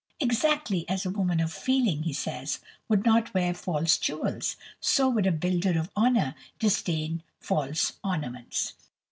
"Exactly as a woman of feeling," he says, "would not wear false jewels, so would a builder of honour disdain false ornaments.